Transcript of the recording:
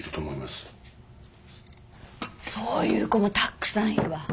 そういう子もたっくさんいるわ。